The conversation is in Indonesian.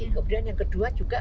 kemudian yang kedua juga